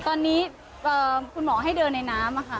ตอนนี้คุณหมอให้เดินในน้ำค่ะ